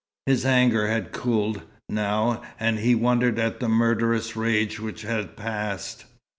His anger had cooled, now, and he wondered at the murderous rage which had passed.